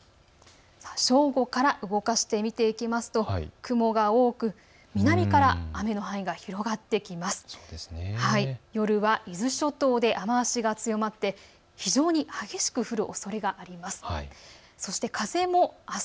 正午から動かして見ていきますと雲が多く、南から雨の範囲が広がっていきます。